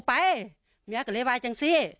ภรรยาก็บอกว่านายเทวีอ้างว่าไม่จริงนายทองม่วนขโมย